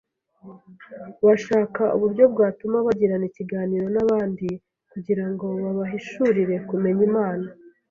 bashaka uburyo bwatuma bagirana ikiganiro n’abandi kugira ngo babahishurire kumenya Imana